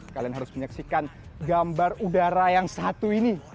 kalian harus menyaksikan gambar udara yang satu ini